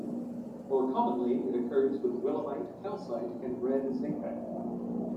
More commonly, it occurs with willemite, calcite, and red zincite.